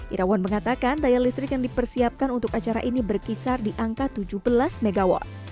irawan mengatakan daya listrik yang dipersiapkan untuk acara ini berkisar di angka tujuh belas mw